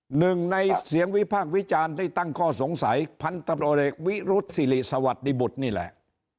หนึ่งในเสียงวิพากษ์วิจารณ์ที่ตั้งข้อสงสัยพันธบรเอกวิรุษศิริสวัสดิบุตรนี่แหละ